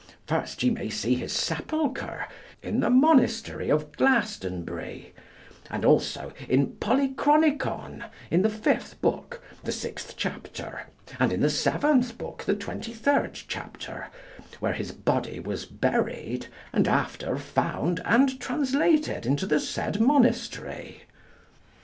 First ye may see his sepulchre in the monastery of Glastonbury; and also in 'Polychronicon,' in the fifth book, the sixth chapter, and in the seventh book, the twenty third chapter, where his body was buried, and after found and translated into the said monastery.